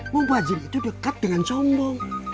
mubazir itu dekat dengan sombong